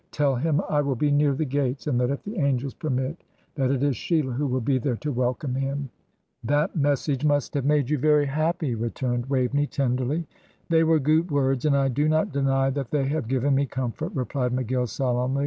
Tell him I will be near the gates; and that if the angels permit, that it is Sheila who will be there to welcome him.'" "That message must have made you very happy," returned Waveney, tenderly. "They were goot words, and I do not deny that they have given me comfort," replied McGill, solemnly.